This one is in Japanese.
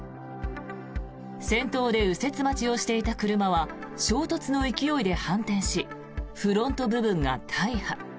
先頭で右折待ちをしていた車は衝突の勢いで反転しフロント部分が大破。